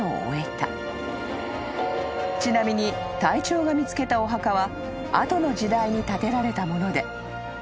［ちなみに隊長が見つけたお墓は後の時代に建てられたもので］